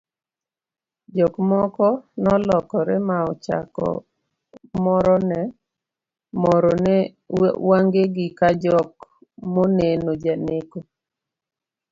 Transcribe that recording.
jok moko nolokore ma ochako morone wangegi ka jok moneno janeko